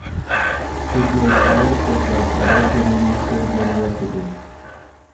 He played college football for Oklahoma State University.